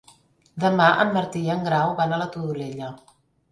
Demà en Martí i en Grau van a la Todolella.